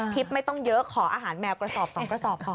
ไม่ต้องเยอะขออาหารแมวกระสอบ๒กระสอบพอ